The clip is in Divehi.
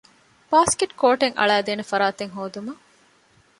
ބާސްކެޓް ކޯޓެއް އަޅައިދޭނެ ފަރާތެއް ހޯދުމަށް